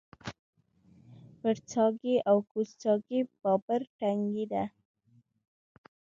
برڅاګی او کوز څاګی بابړ تنګی دی